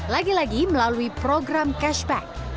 lagi lagi melalui program cashback